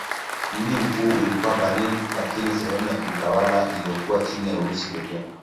Mji mkuu ulikuwa Berlin lakini sehemu ya kiutawala iliyokuwa chini ya Urusi pekee.